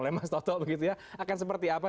oleh mas toto begitu ya akan seperti apa